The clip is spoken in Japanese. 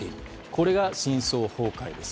これが深層崩壊です。